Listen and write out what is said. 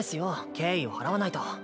敬意を払わないと。